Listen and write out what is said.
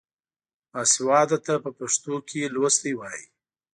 باسواده ته په پښتو کې لوستی وايي.